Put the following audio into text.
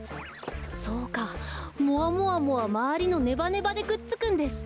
そうかもわもわもはまわりのネバネバでくっつくんです。